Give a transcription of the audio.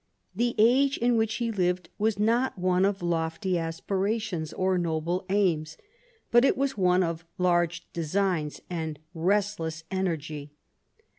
The age in which he lived was not one of lofty aspirations or noble aims ; but it was one of large designs and restless energy.